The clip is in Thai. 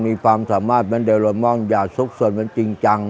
มีความสามารถเป็นเดลิมอนอย่าซุกส่วนอย่างจริงจัง